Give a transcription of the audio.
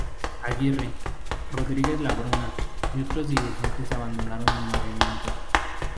Aguirre, Rodríguez Labruna y otros dirigentes abandonaron el Movimiento.